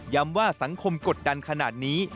ว่าสังคมกดดันขนาดนี้